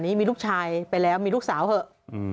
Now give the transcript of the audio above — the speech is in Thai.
นี้มีลูกชายไปแล้วมีลูกสาวเถอะ